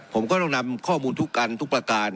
ผมก็ต้องนำข้อมูลทุกอันทุกประการ